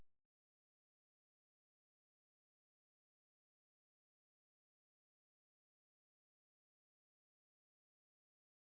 nanti juga malggi